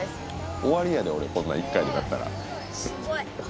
終わりやで俺こんなん１回でもやったら。